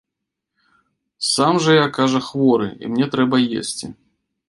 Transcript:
Сам жа я, кажа, хворы, і мне трэба есці.